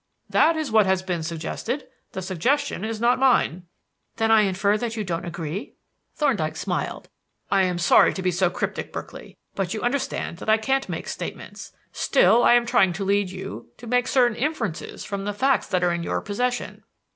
"That is what has been suggested. The suggestion is not mine." "Then I infer that you don't agree?" Thorndyke smiled. "I am sorry to be so cryptic, Berkeley, but you understand that I can't make statements. Still, I am trying to lead you to make certain inferences from the facts that are in your possession."